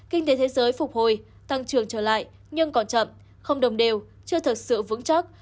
kinh tế thế giới phục hồi tăng trưởng trở lại nhưng còn chậm không đồng đều chưa thật sự vững chắc